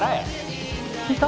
聞いた？